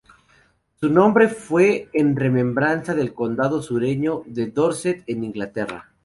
Su nombre fue en remembranza del condado sureño de Dorset en Inglaterra.